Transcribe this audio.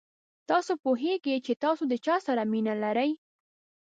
تاسو پوهېږئ چې تاسو د چا سره مینه لرئ.